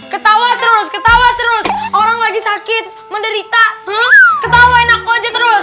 ketawa terus ketawa terus orang lagi sakit menderita ketawa enak aja terus